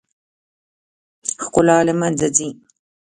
ښکلا له منځه ځي .